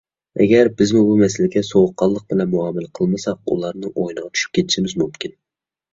ئەگەر بىز بۇ مەسىلىگە سوغۇققانلىق بىلەن مۇئامىلە قىلمىساق، ئۇلارنىڭ ئويۇنىغا چۈشۈپ كېتىشىمىز مۇمكىن.